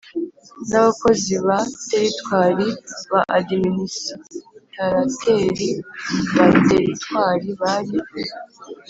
n abakozi ba teritwari Ba adiminisitarateri ba teritwari bari